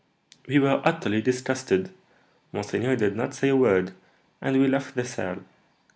"We were utterly disgusted. Monseigneur did not say a word, and we left the cell.